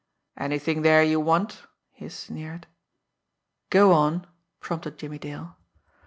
"Anything there you want?" he sneered. "Go on!" prompted Jimmie Dale.